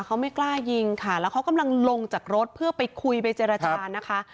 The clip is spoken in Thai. เขาไม่กล้ายิงค่ะแล้วเขากำลังลงจากรถเพื่อไปคุยไปเจรจานะคะ